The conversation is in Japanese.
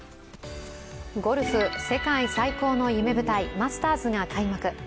ゴルフ、世界最高の夢舞台、マスターズが開幕。